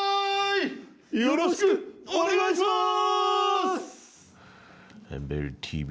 よろしくお願いします！